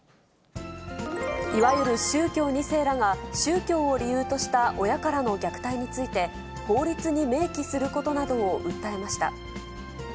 いわゆる宗教２世らが、宗教を理由とした親からの虐待について、法律に明記することなどを訴えました。